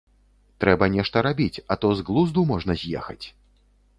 Трэба нешта рабіць, а то з глузду можна з'ехаць.